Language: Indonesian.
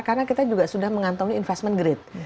karena kita juga sudah mengantong investment grade